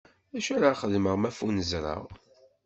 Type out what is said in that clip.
D acu ara xedmeɣ ma ffunezreɣ?